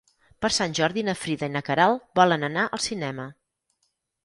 Per Sant Jordi na Frida i na Queralt volen anar al cinema.